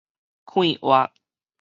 快活